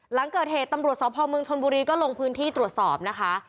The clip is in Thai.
หลังเกิดเหตุตำรวจสพเมืองชนบุรีก็ลงพื้นที่ตรวจสอบนะคะ